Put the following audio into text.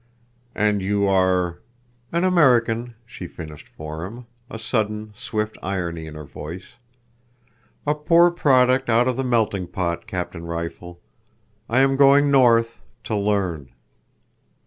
"And you are—" "An American," she finished for him, a sudden, swift irony in her voice. "A poor product out of the melting pot, Captain Rifle. I am going north—to learn."